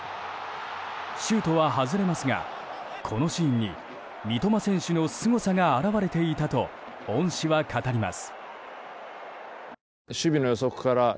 シュートは外れますがこのシーンに三笘選手のすごさが表れていたと恩師は語ります。